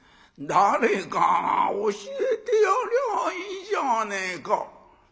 「誰かが教えてやりゃいいじゃねえか」。